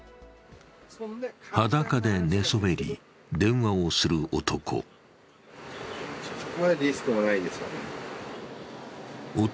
裸で寝そべり電話をする男。